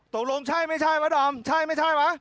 ตรงรวมใช่ไม่ใช่ป่ะดอมใช่ไม่ใช่ป่ะ